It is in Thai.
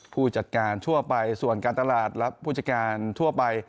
ผู้จัดการทั่วไปส่วนการตลาดและผู้จัดการทั่วไป